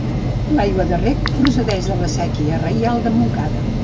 L'aigua de reg procedeix de la Séquia Reial de Montcada.